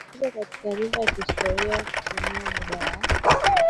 likizo katika nyumba ya kihistoria tumia muda wa